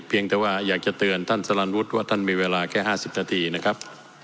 เพียงแต่ว่าอยากจะเตือนท่านสลันวุฒิว่าท่านมีเวลาแค่๕๐นาทีนะครับ